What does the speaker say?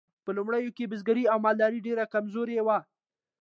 په لومړیو کې بزګري او مالداري ډیرې کمزورې وې.